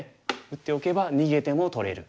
打っておけば逃げても取れる。